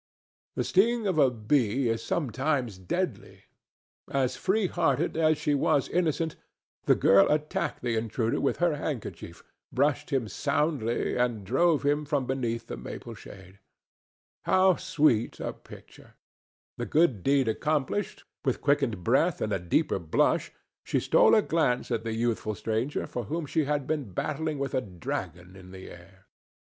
The sting of a bee is sometimes deadly. As free hearted as she was innocent, the girl attacked the intruder with her handkerchief, brushed him soundly and drove him from beneath the maple shade. How sweet a picture! This good deed accomplished, with quickened breath and a deeper blush she stole a glance at the youthful stranger for whom she had been battling with a dragon in the air.